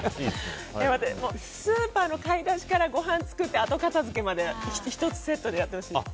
スーパーの買い出しからごはんを作って後片付けまで１つセットでやってほしいです。